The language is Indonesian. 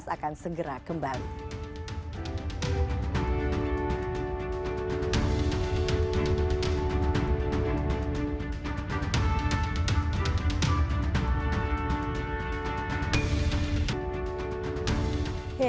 akan segera kembali